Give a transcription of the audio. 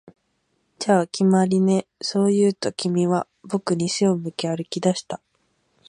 「じゃあ、決まりね」、そう言うと、君は僕に背を向け歩き出した